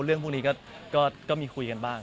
เรื่องพวกนี้ก็มีคุยกันบ้าง